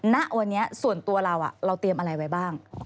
ณวันนี้ส่วนตัวเราเราเตรียมอะไรไว้บ้าง